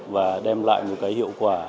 và đem lại một cái hiệu quả